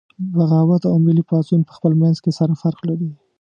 بغاوت او ملي پاڅون پخپل منځ کې سره فرق لري